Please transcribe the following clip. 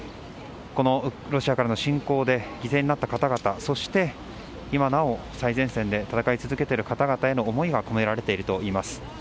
ロシアからの侵攻で犠牲となった方々そして今なお最前線で戦い続けている方々への思いが込められているといいます。